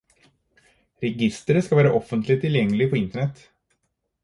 Registeret skal være offentlig tilgjengelig på internett.